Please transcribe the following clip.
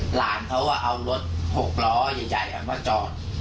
หลานเขาเอารถ๖ล้อใหญ่มาจอด